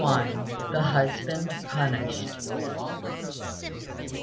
LXI. THE HUSBAND PUNISHED.